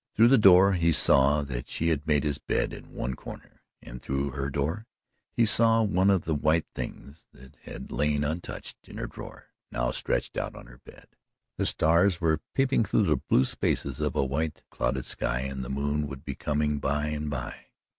Through the door he saw that she had made his bed in one corner. And through her door he saw one of the white things, that had lain untouched in her drawer, now stretched out on her bed. The stars were peeping through the blue spaces of a white clouded sky and the moon would be coming by and by.